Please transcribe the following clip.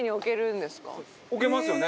置けますよね。